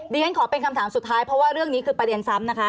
เรียนขอเป็นคำถามสุดท้ายเพราะว่าเรื่องนี้คือประเด็นซ้ำนะคะ